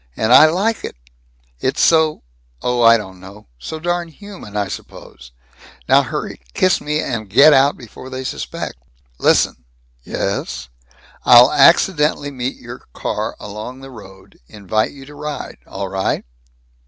And I like it! It's so oh, I don't know so darn human, I suppose. Now hurry kiss me, and get out, before they suspect." "Listen." "Yes?" "I'll accidentally meet your car along the road. Invite you to ride. All right?"